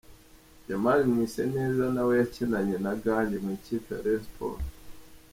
Jamal Mwiseneza na we yakinanye na Gangi mu ikipe ya Rayon Sports.